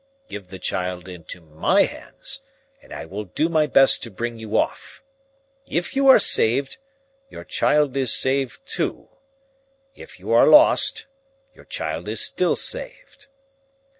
Give the child into my hands, and I will do my best to bring you off. If you are saved, your child is saved too; if you are lost, your child is still saved."